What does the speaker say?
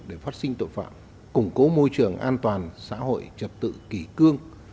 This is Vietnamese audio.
để phát sinh tội phạm củng cố môi trường an toàn xã hội trật tự kỷ cương